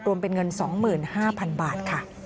รวมเป็นเงิน๒๕๐๐๐บาทค่ะ